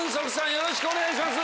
よろしくお願いします。